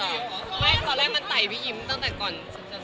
ขอตอเปล่ามันไตพี่ยิ้มตั้งแต่ก่อน